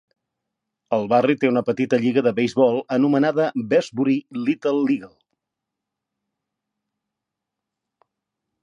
El barri té una petit lliga de beisbol anomenada "Westbury Little League".